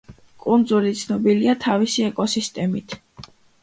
კუნძული ცნობილია თავისი ეკოსისტემით.